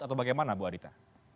atau bagaimana ibu adhita